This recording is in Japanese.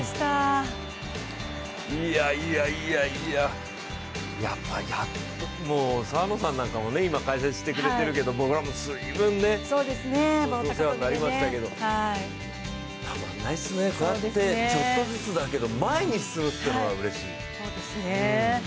いやいや、やっぱり澤野さんも今解説してくれているけれども、僕らもずいぶんねお世話になりましたけど、たまんないっすね、こうやってちょっとずつだけど前に進むというのはうれしい。